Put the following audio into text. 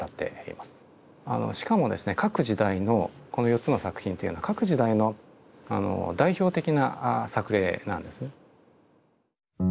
しかもですね各時代のこの４つの作品というのは各時代の代表的な作例なんですね。